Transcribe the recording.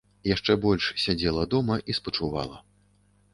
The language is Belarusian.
Яшчэ больш сядзела дома і спачувала.